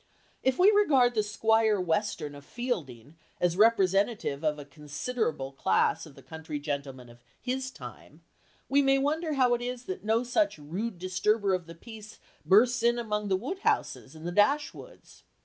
If we regard the Squire Western of Fielding as representative of a considerable class of the country gentlemen of his time, we may wonder how it is that no such rude disturber of the peace bursts in among the Woodhouses and the Dashwoods.